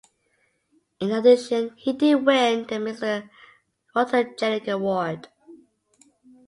In addition he did win the Mister Photogenic award.